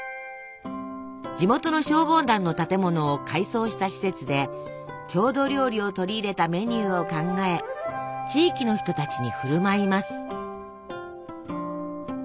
地元の消防団の建物を改装した施設で郷土料理を取り入れたメニューを考え地域の人たちに振る舞います。